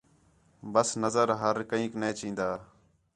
بس نظر ہر کہینک نے چَہن٘دا